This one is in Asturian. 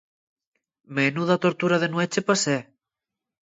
¡Menuda tortura de nueche pasé!